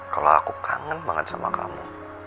kalau aku kangen banget sama kamu